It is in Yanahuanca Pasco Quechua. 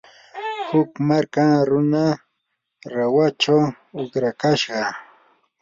huk marka runa rahuchaw uqrakashqa.